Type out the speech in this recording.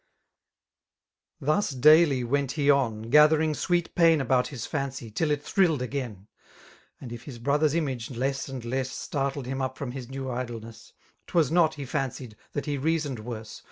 Thus daily went he on, gathering sweet pain About his fancy, till it thrilled agun ; And if his brother^s image, less and less. Startled him up from his new idleness, Twas not, — ^he fancied,— that he reasoned worse.